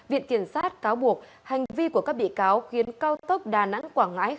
viện kiểm sát cáo buộc hành vi của các bị cáo khiến cao tốc đà nẵng quảng ngãi